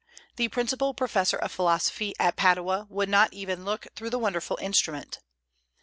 The principal professor of philosophy at Padua would not even look through the wonderful instrument.